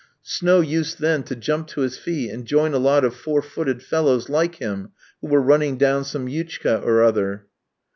Snow used then to jump to his feet, and join a lot of four footed fellows like him who were running down some yutchka or other.